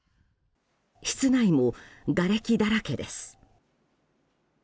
室内もがれきだらけです。